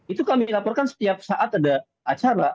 itu kami laporkan setiap saat ada acara